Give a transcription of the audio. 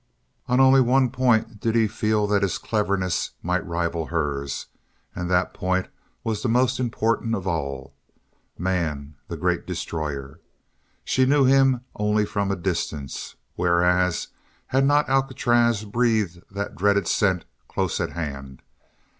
On only one point did he feel that his cleverness might rival hers and that point was the most important of all man the Great Destroyer. She knew him only from a distance whereas had not Alcatraz breathed that dreaded scent close at hand?